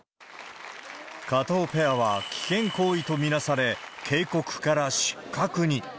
加藤ペアは危険行為と見なされ、警告から失格に。